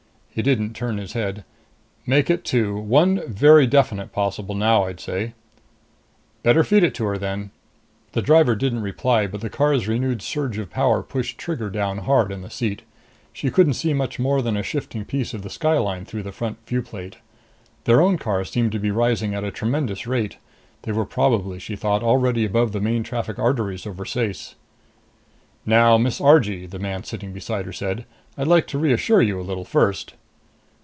He didn't turn his head. "Make it two.... One very definite possible now, I'd say!" "Better feed it to her then." The driver didn't reply, but the car's renewed surge of power pushed Trigger down hard on the seat. She couldn't see much more than a shifting piece of the sky line through the front view plate. Their own car seemed to be rising at a tremendous rate. They were probably, she thought, already above the main traffic arteries over Ceyce. "Now, Miss Argee," the man sitting beside her said, "I'd like to reassure you a little first."